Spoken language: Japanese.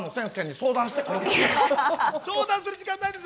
相談する時間ないです。